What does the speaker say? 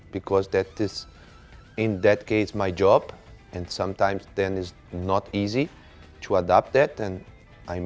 เพราะที่นั่นเป็นงานของฉันแต่กลายเป็นไม่ง่ายที่ติดตาม